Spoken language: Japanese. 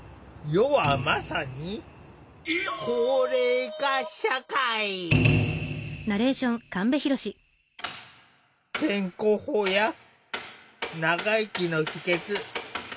世はまさに健康法や長生きの秘けつ。